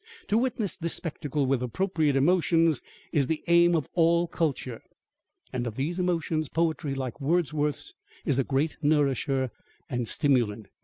To witness this spectacle with appropriate emotions is the aim of all culture; and of these emotions poetry like Wordsworth's is a great nourisher and stimulant.